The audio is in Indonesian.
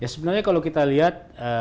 sebenarnya kalau kita lihat